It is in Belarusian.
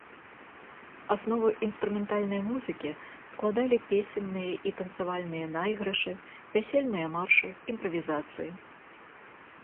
Аснову інструментальнай музыкі складалі песенныя і танцавальныя найгрышы, вясельныя маршы, імправізацыі.